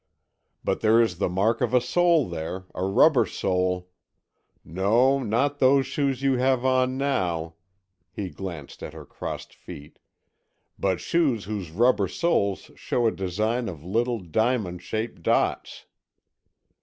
"But there is the mark of a sole there, a rubber sole. No, not those shoes you have on now," he glanced at her crossed feet, "but shoes whose rubber soles show a design of little diamond shaped dots."